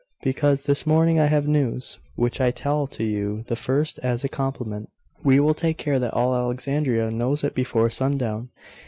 'Because This morning I have news; which I tell to you the first as a compliment. We will take care that all Alexandria knows it before sundown.